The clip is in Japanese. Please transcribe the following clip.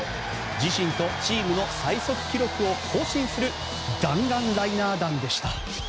自身とチームの最速記録を更新する弾丸ライナー弾でした。